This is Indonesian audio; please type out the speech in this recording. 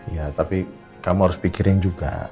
ya tapi kamu harus pikirin juga